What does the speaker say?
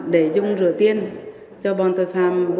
để dùng rửa tiền cho bọn tội phạm bốn người và bốn mất tùy